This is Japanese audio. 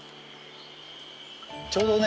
ちょうどね